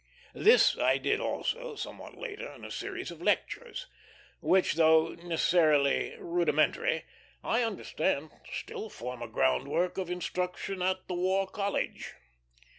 This I did also, somewhat later, in a series of lectures; which, though necessarily rudimentary, I understand still form a groundwork of instruction at the War College.